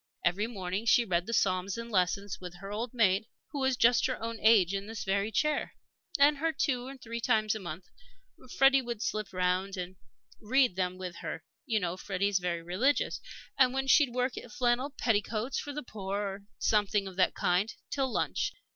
Every morning she read the Psalms and Lessons, with her old maid, who was just her own age in this very chair. And two or three times a month Freddie would slip round and read them with her you know Freddie's very religious. And then she'd work at flannel petticoats for the poor, or something of that kind, till lunch.